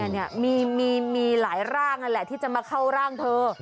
นี่มีหลายร่างนั่นแหละที่จะมาเข้าร่างเธอ